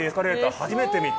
初めて見た。